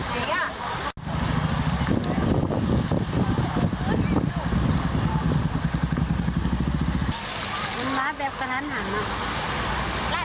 นี่สุดคนมีไงข้างหน้าดูแหละไอ้